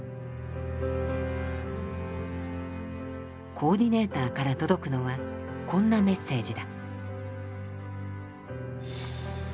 コーディネーターから届くのはこんなメッセージだ。